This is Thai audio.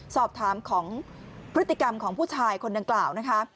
สอบถามของพฤติกรรมของผู้ชายคนดังกล่าวนะคะ